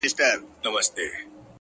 ه ياره تا زما شعر لوسته زه دي لــوســتم.